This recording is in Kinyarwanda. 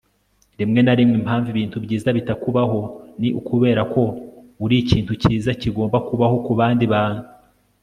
rimwe na rimwe, impamvu ibintu byiza bitakubaho ni ukubera ko uri ikintu cyiza kigomba kubaho ku bandi bantu